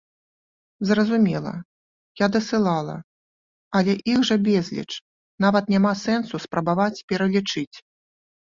Зразумела, я дасылала, але іх жа безліч, нават няма сэнсу, спрабаваць пералічыць!